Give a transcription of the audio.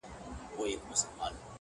مرگه نژدې يې څو شېبې د ژوندانه پاتې دي”